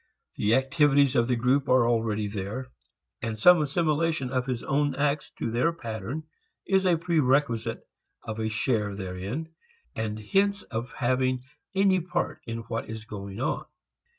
The activities of the group are already there, and some assimilation of his own acts to their pattern is a prerequisite of a share therein, and hence of having any part in what is going on.